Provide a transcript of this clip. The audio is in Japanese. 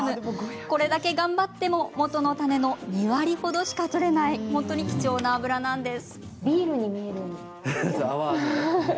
これだけ頑張ってももとの種の２割程しか取れない貴重な油です。